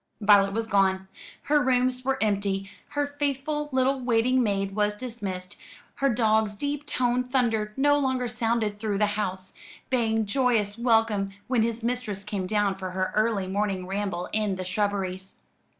Violet was gone. Her rooms were empty; her faithful little waiting maid was dismissed; her dog's deep toned thunder no longer sounded through the house, baying joyous welcome when his mistress came down for her early morning ramble in the shrubberies.